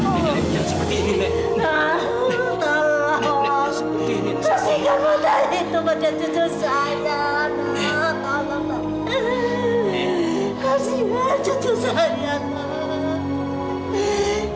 nek nek jangan seperti ini nek